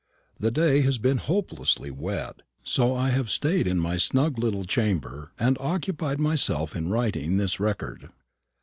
The day has been hopelessly wet, so I have stayed in my snug little chamber and occupied myself in writing this record.